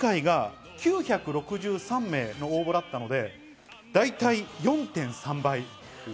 前回が９６３名の応募だったので大体４．３倍。